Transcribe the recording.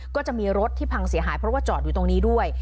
ก็จะมีรถที่พังเสียหายเพราะว่าจอดอยู่ตรงนี้ด้วย